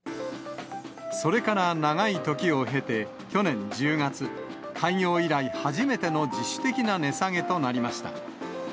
それから長い時を経て、去年１０月、開業以来初めての自主的な値下げとなりました。